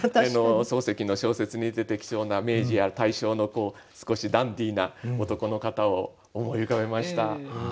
漱石の小説に出てきそうな明治や大正の少しダンディーな男の方を思い浮かべました。